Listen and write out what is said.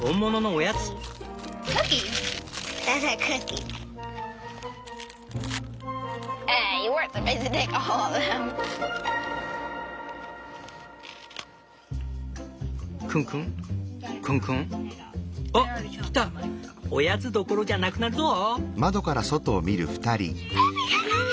おやつどころじゃなくなるぞ！」